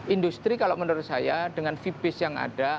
industri kalau menurut saya dengan fee base yang ada